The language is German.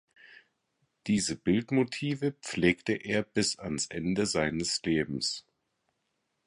Diese Bildmotive pflegte er bis ans Ende seines Lebens.